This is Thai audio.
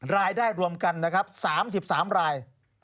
รายได้รวมกันนะครับ๓๓ราย